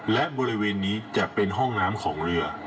และบริเวณนี้จะเป็นห้องน้ำของเรือ